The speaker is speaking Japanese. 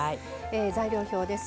材料表です。